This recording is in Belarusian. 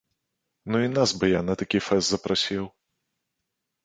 Ну і нас бы я на такі фэст запрасіў!